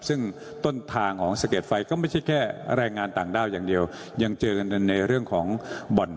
ซึ่งต้นทางของสะเก็ดไฟก็ไม่ใช่แค่แรงงานต่างด้าวอย่างเดียวยังเจอกันในเรื่องของบ่อน